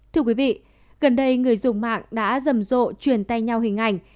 thưa quý vị gần đây người dùng mạng đã rầm rộ truyền tay nhau hình ảnh